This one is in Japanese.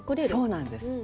そうなんです。